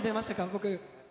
僕。